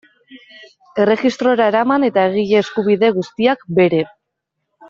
Erregistrora eraman eta egile eskubide guztiak bere.